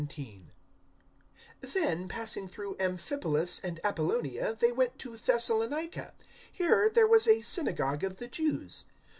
017:001 Then, passing through Amphipolis and Apollonia, they went to Thessalonica. Here there was a synagogue of the Jews.